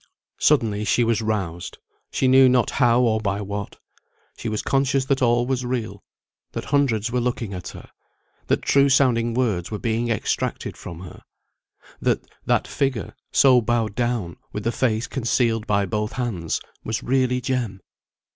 Suddenly she was roused, she knew not how or by what. She was conscious that all was real, that hundreds were looking at her, that true sounding words were being extracted from her; that that figure, so bowed down, with the face concealed by both hands, was really Jem.